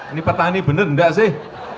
ini petani benar enggak sih